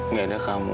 gak ada kamu